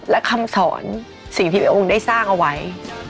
และคำสอนสิ่งที่พระองค์ได้สร้างเอาไว้